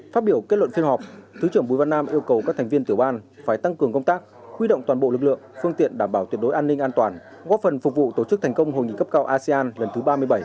phát biểu kết luận phiên họp thứ trưởng bùi văn nam yêu cầu các thành viên tiểu ban phải tăng cường công tác huy động toàn bộ lực lượng phương tiện đảm bảo tuyệt đối an ninh an toàn góp phần phục vụ tổ chức thành công hội nghị cấp cao asean lần thứ ba mươi bảy